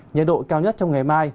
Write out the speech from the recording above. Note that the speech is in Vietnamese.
nhân độ cao nhất trong ngày mai